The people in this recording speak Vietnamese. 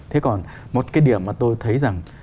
thế còn một cái điểm mà tôi thấy rằng